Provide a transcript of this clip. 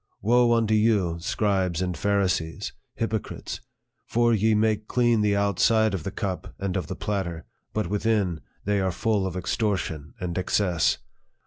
Woe unto you, scribes and Pharisees, hypo crites ! for ye make clean the outside of the cup and of the platter ; but within, they are full of extortion and excess.